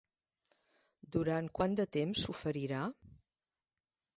Durant quant de temps s'oferirà?